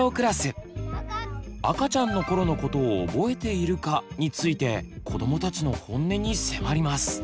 「赤ちゃんのころのことを覚えているか？」についてこどもたちのホンネに迫ります。